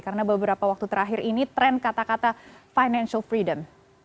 karena beberapa waktu terakhir ini tren kata kata financial freedom